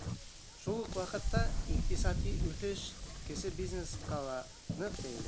Шул уҡ ваҡытта, иҡтисади үҫеш кесе бизнесҡа ла ныҡ бәйле.